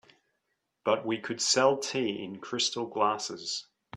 But we could sell tea in crystal glasses.